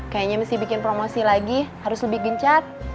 kayaknya mesti bikin promosi lagi harus lebih gencar